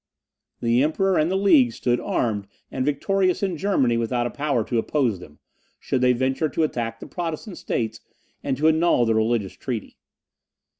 The Emperor and the League stood armed and victorious in Germany without a power to oppose them, should they venture to attack the Protestant states and to annul the religious treaty.